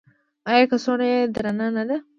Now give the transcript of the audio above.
ایا کڅوړه یې درنده نه ده؟